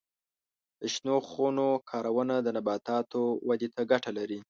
د شنو خونو کارونه د نباتاتو ودې ته ګټه لري.